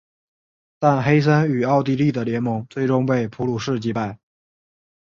但黑森与奥地利的联盟最终被普鲁士击败。